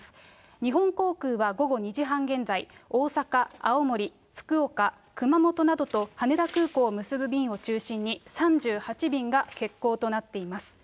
日本航空は午後２時半現在、大阪、青森、福岡、熊本などと羽田空港を結ぶ便を中心に３８便が欠航となっています。